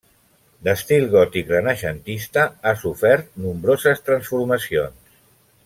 D'estil gòtic-renaixentista, ha sofert nombroses transformacions.